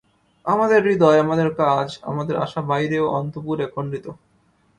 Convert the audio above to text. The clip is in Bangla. আমাদের হৃদয়, আমাদের কাজ, আমাদের আশা বাইরে ও অন্তঃপুরে খণ্ডিত।